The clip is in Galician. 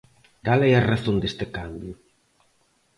Cal é a razón deste cambio?